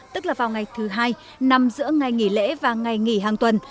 tức là vào ngày thứ hai nằm giữa ngày nghỉ lễ và ngày nghỉ hàng tuần